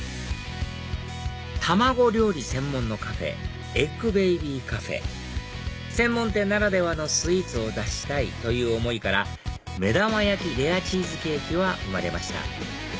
卵料理専門のカフェＥＧＧＢＡＢＹＣＡＦＥ専門店ならではのスイーツを出したいという思いから目玉焼きレアチーズケーキは生まれました